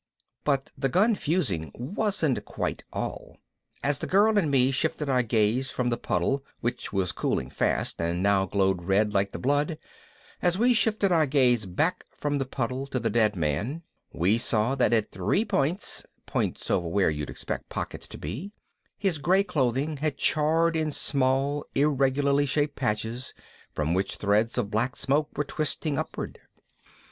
But the gun fusing wasn't quite all. As the girl and me shifted our gaze from the puddle, which was cooling fast and now glowed red like the blood as we shifted our gaze back from the puddle to the dead man, we saw that at three points (points over where you'd expect pockets to be) his gray clothing had charred in small irregularly shaped patches from which threads of black smoke were twisting upward.